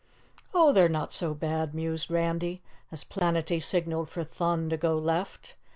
"Oh, they're not so bad," mused Randy, as Planetty signaled for Thun to go left.